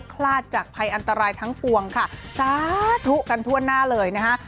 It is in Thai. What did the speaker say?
คลาดจากภัยอันตรายทั้งปวงค่ะสาธุกันทั่วหน้าเลยนะฮะ